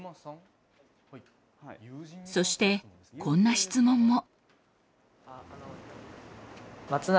そしてこんな質問も。